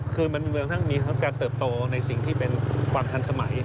คือมันมีเวลาทั้งมีสำคัญเติบโตในสิ่งที่เป็นปัญหาสมัย